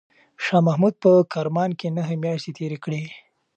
شاه محمود په کرمان کې نهه میاشتې تېرې کړې.